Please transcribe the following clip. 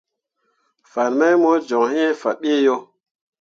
Fan mai mo joŋ iŋ faɓeʼ yo.